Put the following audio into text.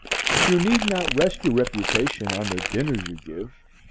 You need not rest your reputation on the dinners you give.